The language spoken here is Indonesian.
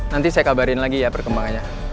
nanti saya kabarin lagi ya perkembangannya